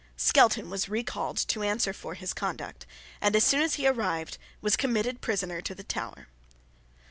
Skelton was recalled to answer for his conduct, and, as soon as he arrived, was committed prisoner to the Tower.